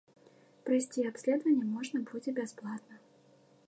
Прайсці абследаванне можна будзе бясплатна.